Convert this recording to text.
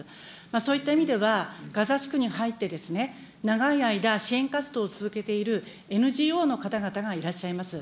そういった意味では、ガザ地区に入って長い間、支援活動を続けているＮＧＯの方々がいらっしゃいます。